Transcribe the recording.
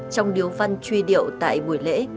trong điều văn truy điệu tại buổi lễ